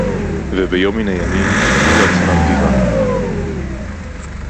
וביום מן הימים יקנו לעצמם דירה